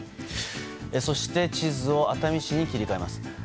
そして、地図を熱海市に切り替えます。